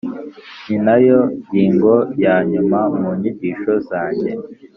ni na yo ngingo ya nyuma mu nyigisho zanjye.